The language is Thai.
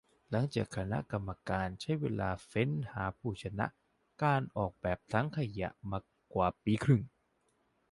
หลังจากคณะกรรมการใช้เวลาเฟ้นหาผู้ชนะการออกแบบถังขยะมาปีครึ่ง